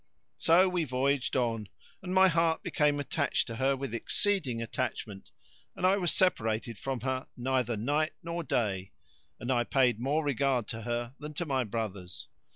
So we voyaged on, and my heart became attached to her with exceeding attachment, and I was separated from her neither night nor day, and I paid more regard to her than to my brothers.